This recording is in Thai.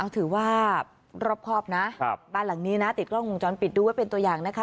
ถือว่ารอบครอบนะบ้านหลังนี้นะติดกล้องวงจรปิดดูไว้เป็นตัวอย่างนะคะ